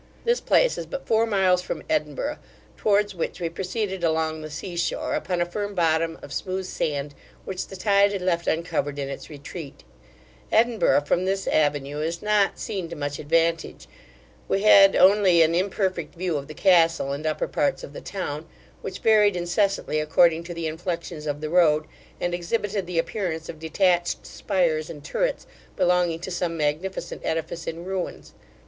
This place is but four miles from Edinburgh, towards which we proceeded along the sea shore, upon a firm bottom of smooth sand, which the tide had left uncovered in its retreat Edinburgh, from this avenue, is not seen to much advantage We had only an imperfect view of the Castle and upper parts of the town, which varied incessantly according to the inflexions of the road, and exhibited the appearance of detached spires and turrets, belonging to some magnificent edifice in ruins.